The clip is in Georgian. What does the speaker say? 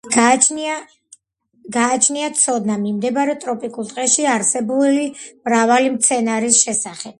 გააჩნიათ ცოდნა მიმდებარე ტროპიკულ ტყეში არსებული მრავალი მცენარის შესახებ.